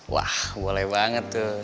wah boleh banget tuh